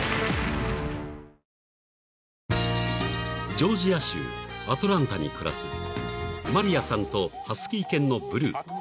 ［ジョージア州アトランタに暮らすマリヤさんとハスキー犬のブルー］